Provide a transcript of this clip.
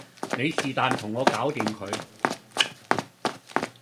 你是旦同我搞掂佢